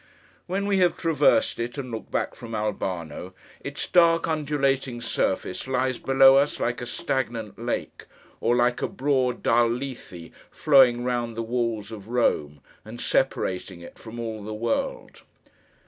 When we have traversed it, and look back from Albano, its dark, undulating surface lies below us like a stagnant lake, or like a broad, dull Lethe flowing round the walls of Rome, and separating it from all the world!